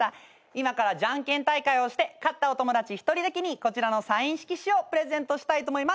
今からじゃんけん大会をして勝ったお友達１人だけにこちらのサイン色紙をプレゼントしたいと思います。